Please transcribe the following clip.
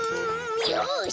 よし！